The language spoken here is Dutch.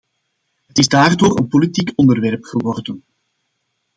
Het is daardoor een politiek onderwerp geworden.